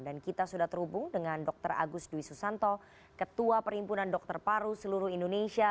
dan kita sudah terhubung dengan dr agus dwi susanto ketua perimpunan dokter paru seluruh indonesia